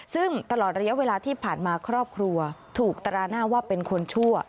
ซึ่งตลอดระยะเวลาที่ผ่านมาครอบครัวถูกตราหน้าว่าเป็นคนชั่ว